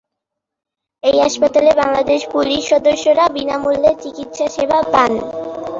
এই হাসপাতালে বাংলাদেশ পুলিশ সদস্যরা বিনা মূল্যে চিকিৎসাসেবা পান।